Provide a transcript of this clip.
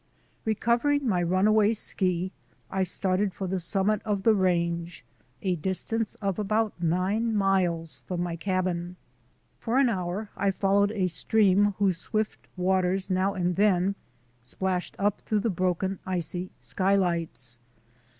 Recovering my runaway ski, I started for the summit of the range, a distance of about nine miles from my cabin. For an hour I followed a stream whose swift waters now and then splashed up through the broken, icy skylights.